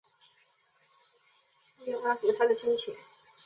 要安抚她的心情